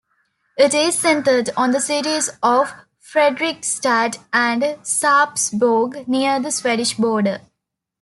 It is centered on the cities of Fredrikstad and Sarpsborg near the Swedish border.